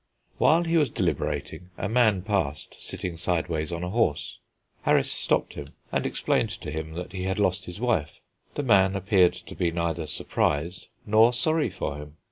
While he was deliberating a man passed, sitting sideways on a horse. Harris stopped him, and explained to him that he had lost his wife. The man appeared to be neither surprised nor sorry for him.